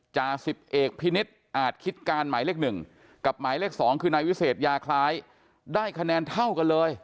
จ่าสิบเอกพินิษฐ์อาจคิดการหมายเลข๑กับหมายเลข๒คือนายวิเศษยาคล้ายได้คะแนนเท่ากันเลย